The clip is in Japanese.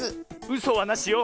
うそはなしよ。